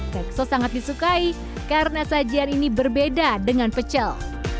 tekso sangat disukai karena sajian ini berbeda dengan pecel